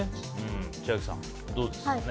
千秋さん、どうですか。